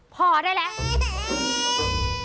พอได้แล้ว